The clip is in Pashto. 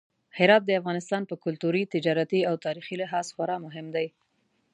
هرات د افغانستان په کلتوري، تجارتي او تاریخي لحاظ خورا مهم دی.